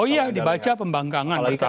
oh iya dibaca pembangkangan pertama yang